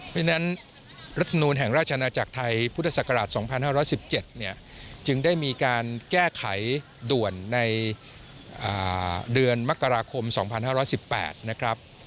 เพราะฉะนั้นรัฐนูลแห่งราชนาจักรไทยพุทธศักราชสองพันห้าร้อยสิบเจ็ดเนี่ยจึงได้มีการแก้ไขด่วนในอ่าเดือนมกราคมสองพันห้าร้อยสิบแปดนะครับ